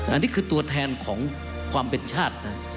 อันนี้คือตัวแทนของความเป็นชาตินะ